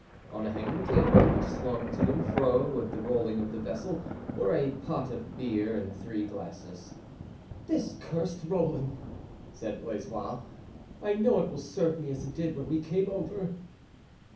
On a hanging table, which swung to and fro with the rolling of the vessel, were a pot of beer and three glasses. "This cursed rolling!" said Blaisois. "I know it will serve me as it did when we came over."